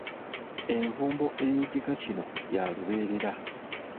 Envumbo ey'ekika kino ya lubeerera.